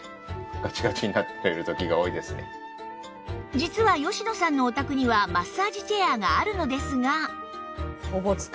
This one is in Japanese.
実は吉野さんのお宅にはマッサージチェアがあるのですが